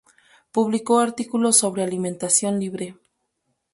Publicó artículos sobre alimentación libre.